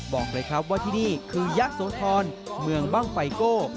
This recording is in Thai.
บอกเลยครับว่าที่นี่คือยะโสธรเมืองบ้างไฟโก้